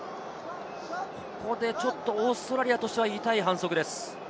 ここでちょっとオーストラリアとしては痛い反則です。